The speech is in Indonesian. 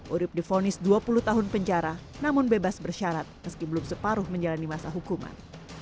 urib difonis dua puluh tahun penjara namun bebas bersyarat meski belum separuh menjalani masa hukuman